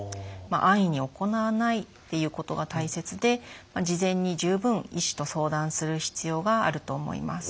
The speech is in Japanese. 安易に行わないということが大切で事前に十分医師と相談する必要があると思います。